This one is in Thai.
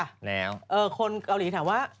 แล้วคนเกาหลีถามว่า